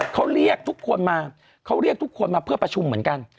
เขาเรียกทุกคนมาเขาเรียกทุกคนมาเพื่อประชุมเหมือนกัน